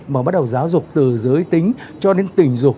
mà bắt đầu giáo dục từ giới tính cho đến tình dục